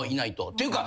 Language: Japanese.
っていうか。